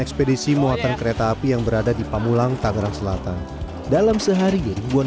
ekspedisi muatan kereta api yang berada di pamulang tangerang selatan dalam sehari ribuan